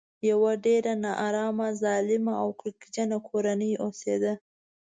یوه ډېره نارامه ظالمه او کرکجنه کورنۍ اوسېده.